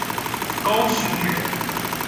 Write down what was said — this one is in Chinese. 高雄人。